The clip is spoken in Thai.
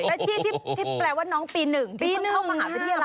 เฟรชชี้ที่แปลว่าน้องปี๑ที่ต้องเข้ามาหาวิทยาลัย